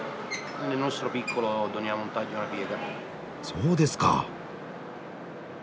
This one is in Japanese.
そうですか。